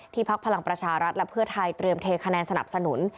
พักพลังประชารัฐและเพื่อไทยเตรียมเทคะแนนสนับสนุน